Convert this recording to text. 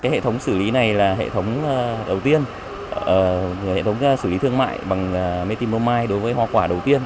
hệ thống xử lý này là hệ thống đầu tiên hệ thống xử lý thương mại bằng metimomai đối với hoa quả đầu tiên